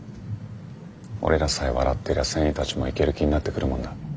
俺らさえ笑ってりゃ船員たちもイケる気になってくるもんだ。